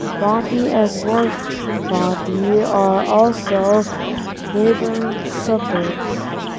Bondi and North Bondi are also neighbouring suburbs.